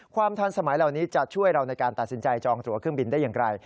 ความทันสมัยเหล่านี้จะช่วยเราในการตัดสินใจจองตัวเครื่องบินได้อย่างไร